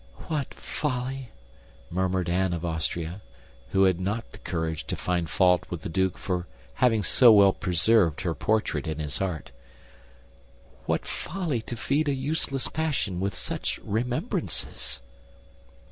"What folly," murmured Anne of Austria, who had not the courage to find fault with the duke for having so well preserved her portrait in his heart, "what folly to feed a useless passion with such remembrances!"